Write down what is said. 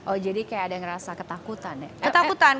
oh jadi kayak ada yang merasa ketakutan ya